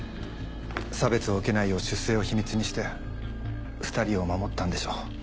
差別を受けないよう出生を秘密にして２人を守ったんでしょう。